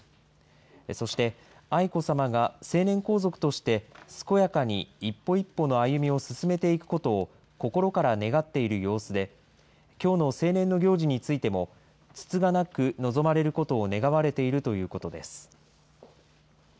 そして、愛子さまが成年皇族として健やかに一歩一歩の歩みを進めていくことを、心から願っている様子で、きょうの成年の行事についても、つつがなく臨まれることを願われているということです。